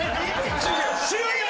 終了！